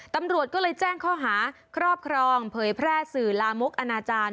ตำรวจก็เลยแจ้งข้อหาครอบครองเผยแพร่สื่อลามกอนาจารย์